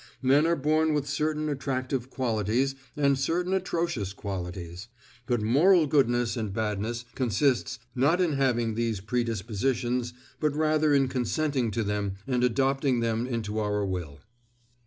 Men are born with certain attractive qualities and certain atrocious qualities, but moral goodness and badness consists not in having these predispositions, but rather in consenting to them and adopting them into our will.